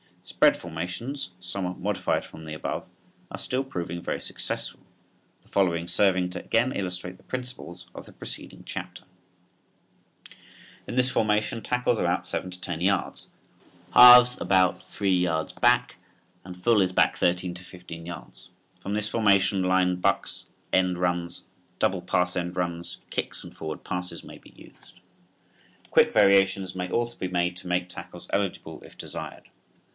Spread formations somewhat modified from the above are still proving very successful, the following serving to again illustrate the principles of the preceding chapter (Fig. 4). In this formation tackles are out seven to ten yards, halves about three yards back and full is back thirteen to fifteen yards. From this formation line bucks, end runs, double pass end runs, kicks and forward passes may be used. Quick variations may also be made to make tackles eligible if desired.